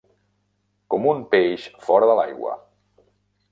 Com un peix fora de l'aigua.